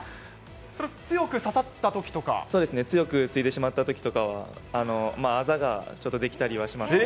それ、そうですね、強く突いてしまったときとかは、あざがちょっと出来たりはします